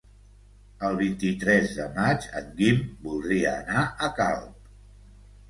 El vint-i-tres de maig en Guim voldria anar a Calp.